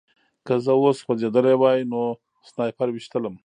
که زه اوس خوځېدلی وای نو سنایپر ویشتلم